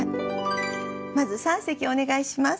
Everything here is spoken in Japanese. まず三席をお願いします。